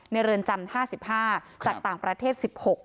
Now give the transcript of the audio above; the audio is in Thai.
เรือนจำ๕๕จากต่างประเทศ๑๖